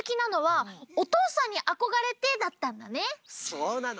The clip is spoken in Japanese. そうなの。